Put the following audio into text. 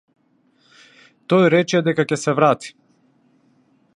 Тој рече дека ќе се врати.